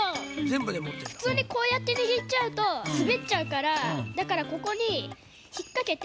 えっとふつうにこうやってにぎっちゃうとすべっちゃうからだからここにひっかけて。